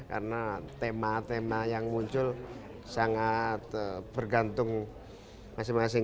karena tema tema yang muncul sangat bergantung masing masing